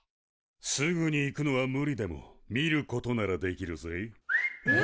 すぐに行くのは無理でも見ることならできるぜ。えっ！？